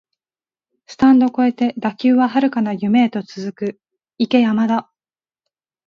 スタンド超えて打球は遥かな夢へと続く、行け山田